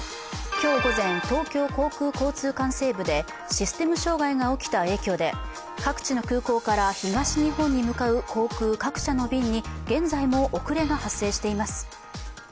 今日午前、東京航空交通管制部でシステム障害が起きた影響で各地の空港から東日本に向かう航空各社の便に現在も遅れが発生しています。